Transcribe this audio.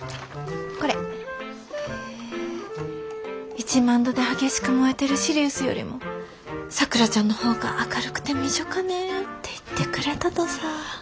１万度で激しく燃えてるシリウスよりもさくらちゃんの方が明るくてみじょかねって言ってくれたとさぁ。